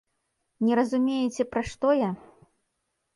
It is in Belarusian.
Не разумееце, пра што я?